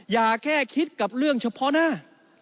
อย่าแค่คิดกับเรื่องเฉพาะหน้า